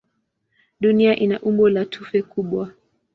Dunia ina umbo la tufe kubwa.